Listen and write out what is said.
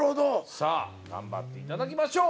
さあ頑張っていただきましょう。